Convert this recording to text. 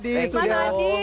terima kasih hadee